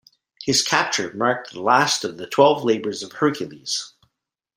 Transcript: His capture marked the last of the twelve labors of Hercules.